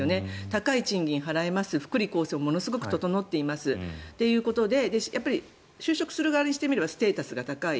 高い賃金を払います福利厚生がものすごく整っていますということで就職する側にしてみればステータスが高い。